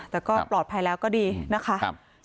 แต่ก็ปลอดภัยแล้วก็ดีนะคะ